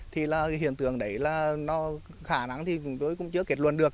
thì là cái hiện tượng đấy là nó khả năng thì chúng tôi cũng chưa kết luận được